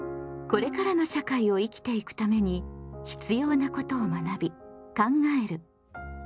これからの社会を生きていくために必要なことを学び考える「公共」。